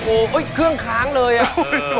โอ้โหเครื่องค้างเลยอ่ะ